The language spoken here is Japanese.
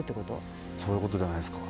そういうことじゃないですか？